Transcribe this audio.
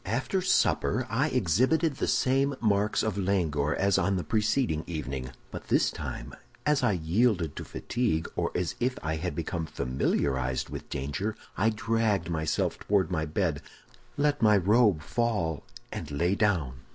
"After supper I exhibited the same marks of languor as on the preceding evening; but this time, as I yielded to fatigue, or as if I had become familiarized with danger, I dragged myself toward my bed, let my robe fall, and lay down.